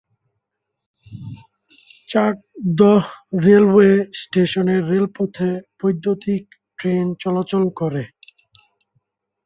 Chakdaha railway স্টেশনের রেলপথে বৈদ্যুতীক ট্রেন চলাচল করে।